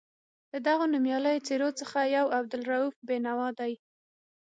له دغو نومیالیو څېرو څخه یو عبدالرؤف بېنوا دی.